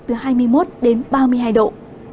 từ hai mươi một đến ba mươi hai độ